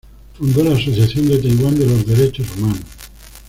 Fundó la Asociación de Taiwán de los Derechos Humanos.